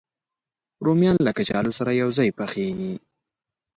رومیان له کچالو سره یو ځای پخېږي